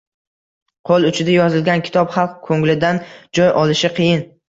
Qo‘l uchida yozilgan kitob xalq ko‘nglidan joy olishi qiyin.